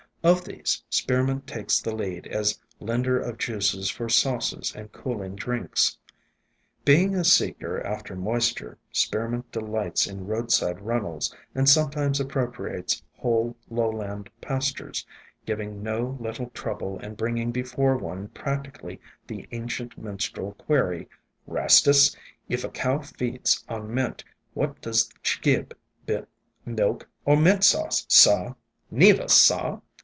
Of these Spearmint takes the lead as lender of juices for sauces and cooling drinks. Being a seeker after moisture, Spearmint delights in roadside runnels, and sometimes appropriates whole lowland pastures, giving no little trouble and bringing before one practically the ancient minstrel query: " 'Rastus, if a cow feeds on mint, what does she gib, milk or mint sauce, sah?" "Neever, sah!